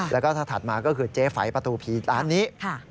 แล้วก็ถัดมาก็คือเจฝัยปฐูพีร้านนี้